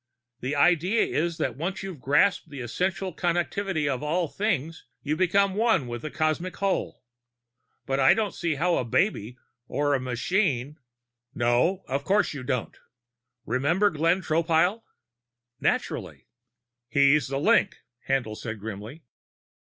The idea is that once you've grasped the Essential Connectivity of All Things, you become One with the Cosmic Whole. But I don't see how a baby or a machine " "No, of course you don't. Remember Glenn Tropile?" "Naturally." "He's the link," Haendl said grimly.